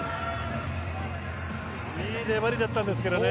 いい粘りだったんですけどね。